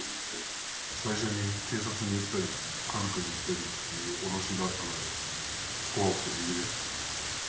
最初に警察にいったり、家族に言ったりという脅しがあったので、怖くて逃げれなかったです。